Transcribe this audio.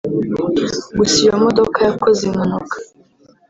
Gusa iyo modoka yakoze impanuka